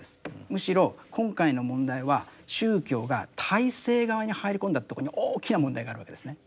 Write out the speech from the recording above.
むしろ今回の問題は宗教が体制側に入り込んだとこに大きな問題があるわけですね。